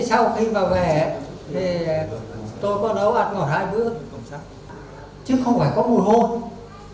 chứ không phải có mùi hôi